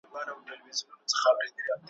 چي هوښيار دي نن سبا ورنه كوچېږي `